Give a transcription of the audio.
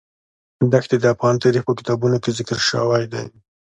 دښتې د افغان تاریخ په کتابونو کې ذکر شوی دي.